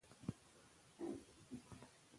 که کتابتون وي نو معلومات نه ختمیږي.